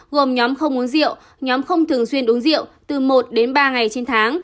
gồm nhóm không uống rượu nhóm không thường xuyên uống rượu từ một đến ba ngày trên tháng